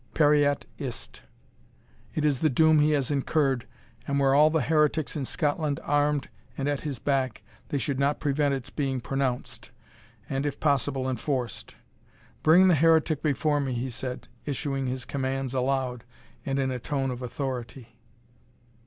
Pereat iste! It is the doom he has incurred, and were all the heretics in Scotland armed and at his back, they should not prevent its being pronounced, and, if possible, enforced. Bring the heretic before me," he said, issuing his commands aloud, and in a tone of authority.